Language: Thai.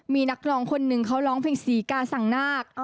มีนักร้องคนหนึ่งเขาร้องเพลงศรีกาสังนาค